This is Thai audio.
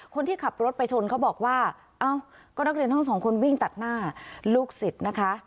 คนที่ขับรถไปชนเขาบอกว่าเอ้าก็นักเรียนทั้งสองคนวิ่งตัดหน้าลูกศิษย์นะคะ